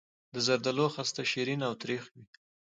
د زردالو خسته شیرین او تریخ وي.